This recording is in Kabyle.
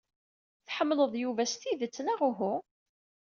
Tḥemmleḍ Yuba s tidet, neɣ uhu?